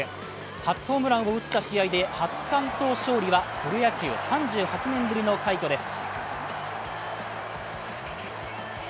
初ホームランを打った試合で初完投勝利はプロ野球３８年ぶりの快挙です。